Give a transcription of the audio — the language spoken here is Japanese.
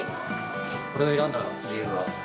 これを選んだ理由は？